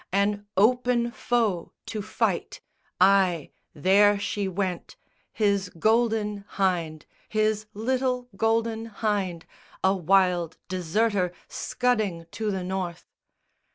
An open foe to fight! Ay, there she went, His Golden Hynde, his little Golden Hynde A wild deserter scudding to the North.